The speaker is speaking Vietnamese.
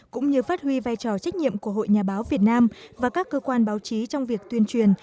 cũng như phát huy vai trò trách nhiệm của hội nhà báo việt nam và các cơ quan báo chí trong việc tuyên truyền